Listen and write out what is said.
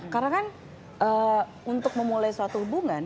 karena kan untuk memulai suatu hubungan